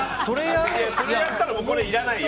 それやったらこれいらないよ。